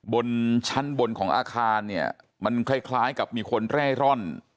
บนชั้นบนของอาคารเนี่ยมันคล้ายกับมีคนเร่ร่อน